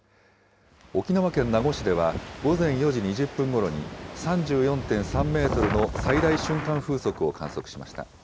沖縄県名護市では午前４時２０分ごろに、３４．３メートルの最大瞬間風速を観測しました。